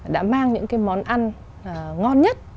đã mang những cái món ăn ngon nhất